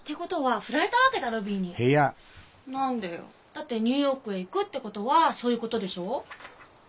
だってニューヨークへ行くってことはそういうことでしょう？